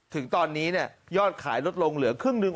ถึงตอนนี้ยอดขายลดลงเหลือครึ่งหนึ่ง